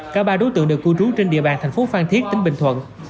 cả ba đối tượng được cư trú trên địa bàn thành phố phan thiết tỉnh bình thuận